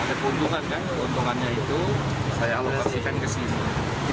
ada keuntungan kan keuntungannya itu saya alokasikan ke sini